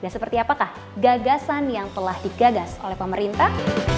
seperti apakah gagasan yang telah digagas oleh pemerintah